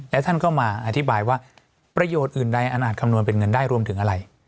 และท่านก็มาอธิบายว่าประโยชน์อื่นใดอาจคำนวณเป็นเงินได้รวมถึงอะไร